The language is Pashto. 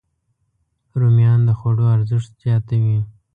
رومیان د خوړو ارزښت زیاتوي